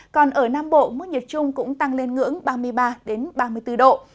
còn ở nam bộ mức nhiệt trung cũng tăng lên ngưỡng ba mươi ba ba mươi bốn độ